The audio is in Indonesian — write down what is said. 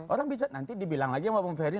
orang bicara nanti dibilang lagi sama bapak mbak ferry